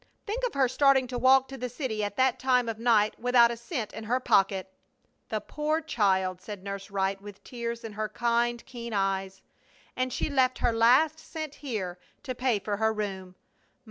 Think of her starting to walk to the city at that time of night, without a cent in her pocket!" "The poor child!" said Nurse Wright, with tears in her kind, keen eyes. "And she left her last cent here to pay for her room!